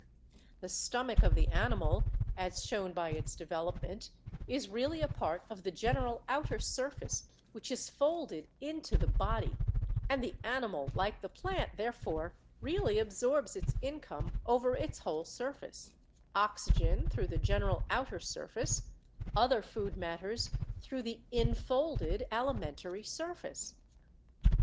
The stomach of the animal, as shown by its development, is really a part of the general outer surface which is folded into the body; and the ani mal, like the plant, therefore, really absorbs its income over its whole surface — oxygen through the general outer LIFE PROCESSES 123 surface, other food matters through the infolded aliment ary surface.